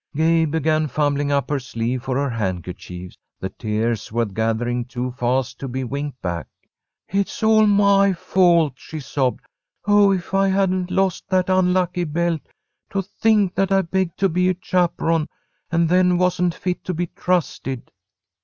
Gay began fumbling up her sleeve for her handkerchief. The tears were gathering too fast to be winked back. "It's all my fault," she sobbed. "Oh, if I hadn't lost that unlucky belt. To think that I begged to be a chaperon, and then wasn't fit to be trusted."